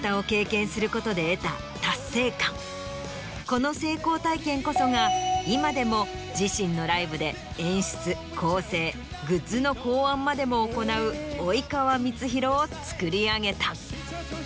この成功体験こそが今でも自身のライブで演出構成グッズの考案までも行う及川光博をつくり上げた。